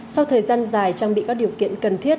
sau thời gian dài trang bị các điều kiện cần thiết